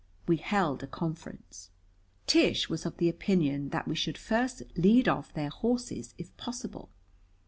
We held a conference. Tish was of the opinion that we should first lead off their horses, if possible.